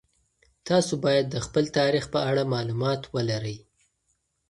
تاسو باید د خپل تاریخ په اړه مالومات ولرئ.